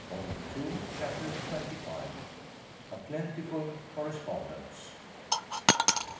Volume Two, Chapter XXV. A PLENTIFUL CORRESPONDENCE.